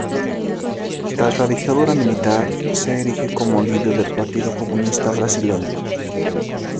Tras la dictadura militar se erige como líder del Partido Comunista Brasileño.